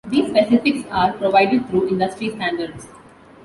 These specifics are provided through industry standards.